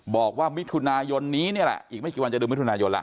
บอกว่าวิทยุนายนนี้นี่แหละอีกไม่กี่วันจะดูวิทยุนายนล่ะ